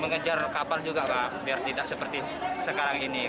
mengejar kapal juga pak biar tidak seperti sekarang ini